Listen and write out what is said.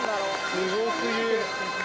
◆すごすぎ。